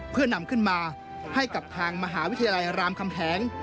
เพื่อนำขึ้นมาให้กับทางมหาวิทยาลัยรามคำแหง